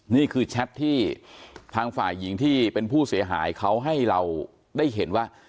นี่คือแชทที่ทางฝ่ายหญิงที่เป็นผู้เสียหายเขาให้เราได้เห็นว่า